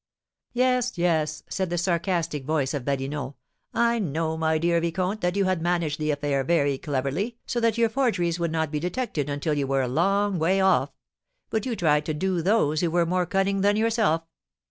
"Yes, yes," said the sarcastic voice of Badinot, "I know, my dear vicomte, that you had managed the affair very cleverly, so that your forgeries would not be detected until you were a long way off; but you tried to 'do' those who were more cunning than yourself."